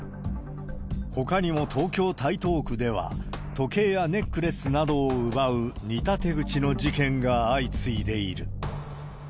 ほかにも東京・台東区では、時計やネックレスなどを奪う似た手口の事件が相次いでいる。